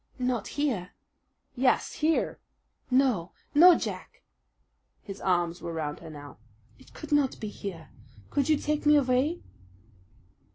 "Not here?" "Yes, here." "No, no, Jack!" His arms were round her now. "It could not be here. Could you take me away?"